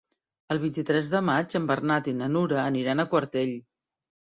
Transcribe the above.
El vint-i-tres de maig en Bernat i na Nura aniran a Quartell.